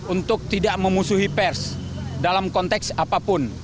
untuk tidak memusuhi pers dalam konteks apapun